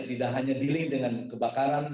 tidak hanya dealing dengan kebakaran